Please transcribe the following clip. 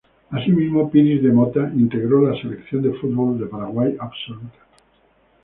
Así mismo, Piris da Motta integró la selección de fútbol de Paraguay absoluta.